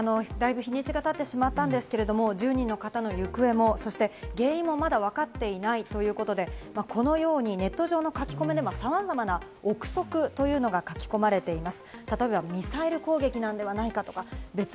日にちが経ってしまったんですけれども、１０人の方の行方もそして原因もまだわかっていないということで、このようにネット上の書き込みでも、さまざまな憶測というのが書き込まれています。